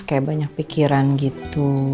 kayak banyak pikiran gitu